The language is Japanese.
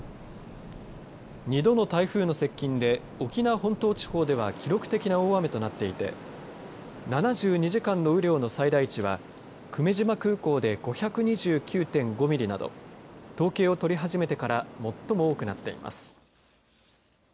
２度の台風の接近で沖縄本島地方では記録的な大雨となっていて７２時間の雨量の最大値は久米島空港で５２９．５ミリなど統計を取り始めてから最も多くなっています。